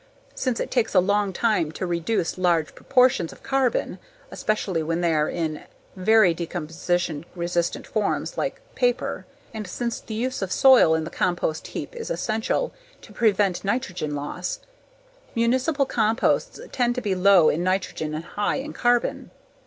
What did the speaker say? Since it takes a long time to reduce large proportions of carbon, especially when they are in very decomposition resistant forms like paper, and since the use of soil in the compost heap is essential to prevent nitrate loss, municipal composts tend to be low in nitrogen and high in carbon.